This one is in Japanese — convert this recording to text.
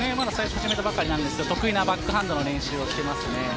始めたばかりですが得意なバックハンドの練習をしています。